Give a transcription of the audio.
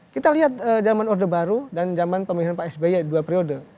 kita lihat zaman orde baru dan zaman pemerintahan pak sby dua periode